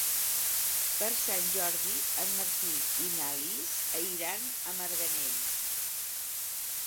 Per Sant Jordi en Martí i na Lis iran a Marganell.